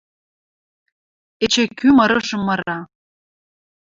Эче кӱ мырыжым мыра?